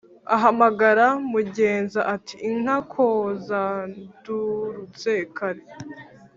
Ahamagara mugenza ati"inka kozandurutse kare?"